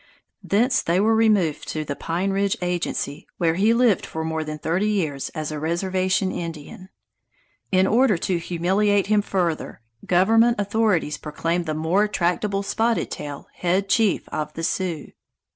Thence they were removed to the Pine Ridge agency, where he lived for more than thirty years as a "reservation Indian." In order to humiliate him further, government authorities proclaimed the more tractable Spotted Tail head chief of the Sioux.